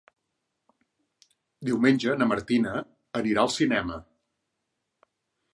Diumenge na Martina anirà al cinema.